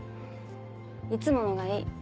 いつものがいい。